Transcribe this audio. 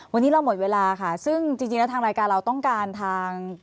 วันนี้เราหมดเวลาค่ะซึ่งจริงแล้วทางรายการเราต้องการทาง